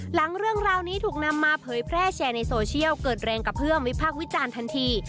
หลังเรื่องราวนี้ถูกนำมาเผยแพร่แชร์ในโซเชียลเกิดแรงกระเพื่อมวิพากษ์วิจารณ์ทันที